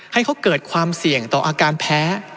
ให้เขาเกิดความเสี่ยงต่ออาการแพ้